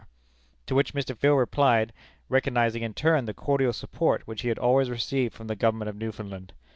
to which Mr. Field replied, recognizing in turn the cordial support which he had always received from the Government of Newfoundland.